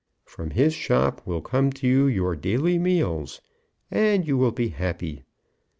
From his shop will come to you your daily meals, and you will be happy.